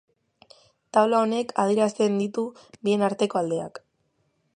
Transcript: Taula honek adierazten ditu bien arteko aldeak.